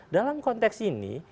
dalam konteks ini